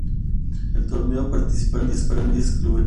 En el torneo participaron diez clubes.